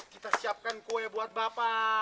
kita siapkan kue buat bapak